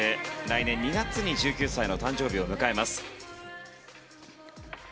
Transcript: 来年２月に１９歳の誕生日を迎えます。